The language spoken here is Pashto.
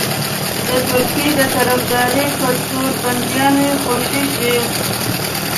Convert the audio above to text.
د ترکیې د طرفدارۍ په تور بنديان خوشي شي.